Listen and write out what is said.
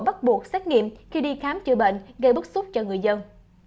bắt buộc xét nghiệm khi đi khám chữa bệnh gây bức xúc cho người dân